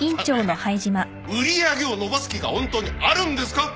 あなたね売り上げを伸ばす気が本当にあるんですか？